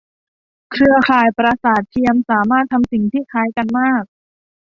เครือข่ายประสาทเทียมสามารถทำสิ่งที่คล้ายกันมาก